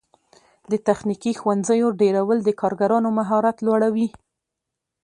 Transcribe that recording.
د تخنیکي ښوونځیو ډیرول د کارګرانو مهارت لوړوي.